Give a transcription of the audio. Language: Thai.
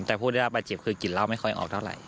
แต่ผู้ได้รับบาดเจ็บคือกลิ่นเหล้าไม่ค่อยออกเท่าไหร